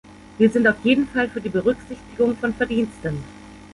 Wir sind auf jeden Fall für die Berücksichtigung von Verdiensten.